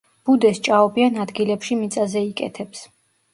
ბუდეს ჭაობიან ადგილებში მიწაზე იკეთებს.